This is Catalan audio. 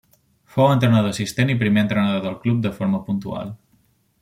Fou entrenador assistent i primer entrenador del club de forma puntual.